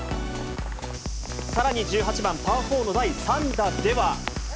さらに１８番パー４の第３打では。